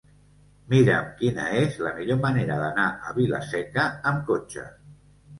Mira'm quina és la millor manera d'anar a Vila-seca amb cotxe.